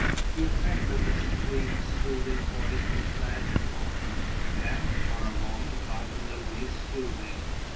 The effect of the sweet soothing voice was magical, and for a moment not in the least soothing.